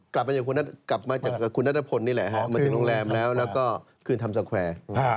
กลับมาจากคุณนัตตะพลนี่แหละมาถึงโรงแรมแล้วแล้วก็คืนทำสเกวร์